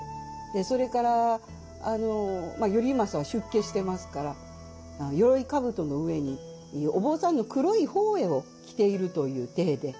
それから頼政は出家してますから鎧兜の上にお坊さんの黒い法衣を着ているという体で。